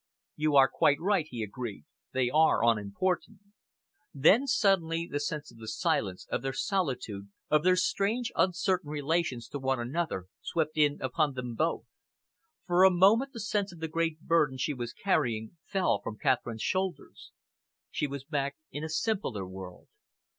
"You are quite right," he agreed. "They are unimportant." Then suddenly the sense of the silence, of their solitude, of their strange, uncertain relations to one another, swept in upon them both. For a moment the sense of the great burden she was carrying fell from Catherine's shoulders. She was back in a simpler world.